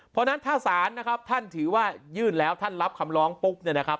เพราะฉะนั้นถ้าศาลนะครับท่านถือว่ายื่นแล้วท่านรับคำร้องปุ๊บเนี่ยนะครับ